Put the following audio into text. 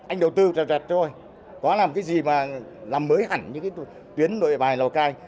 anh đầu tư rẹt rẹt thôi có làm cái gì mà làm mới hẳn như cái tuyến nội bài lào cai